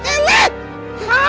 kamu memang mesti dimatikan